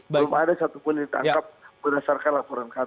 belum ada satupun yang ditangkap berdasarkan laporan kami